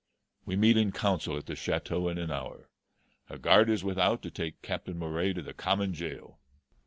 We meet in council at the Chateau in an hour. A guard is without to take Captain Moray to the common jail."